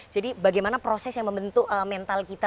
jadi bagaimana proses yang membentuk mental kita